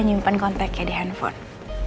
nyimpen konteknya di handphone